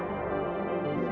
kamu dia biasa ya